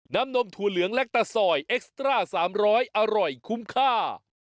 นมถั่วเหลืองและตาซอยเอ็กซ์ตร่า๓๐๐อร่อยคุ้มค่า